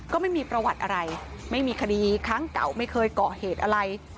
ก็ไม่มีประวัติอะไรไม่มีคดีครั้งเก่าไม่เคยเกาะเหตุอะไร